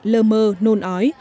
lơ mơ nôn ói